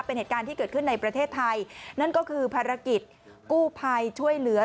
เป็นเหตุการณ์ที่เกิดขึ้นในประเทศไทยนั่นก็คือภารกิจกู้ภัยช่วยเหลือ